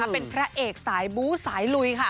เป็นพระเอกสายบู๊สายลุยค่ะ